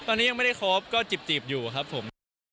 ตอนนี้ยังไม่ได้ครบก็จีบอยู่ครับผม